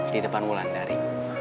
di depan wulandari